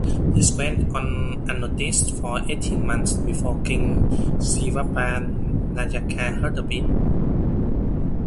This went on unnoticed for eighteen months before King Shivappa Nayaka heard of it.